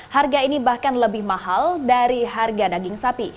harga ini bahkan lebih mahal dari harga daging sapi